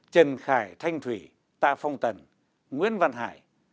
trần khải thanh thủy tạ phong tần nguyễn văn hải